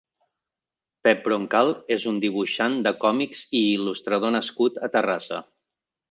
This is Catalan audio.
Pep Brocal és un dibuixant de còmics i il·lustrador nascut a Terrassa.